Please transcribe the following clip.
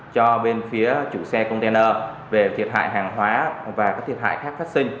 cho bên phía chủ xe container về thiệt hại hàng hóa và các thiệt hại khác phát sinh